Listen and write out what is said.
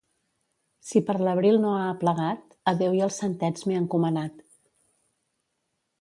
Si per l'abril no ha aplegat, a Déu i als santets m'he encomanat.